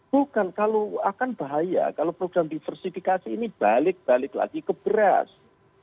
bukan kalau akan bahaya kalau program diversifikasi ini balik balik lagi ke beras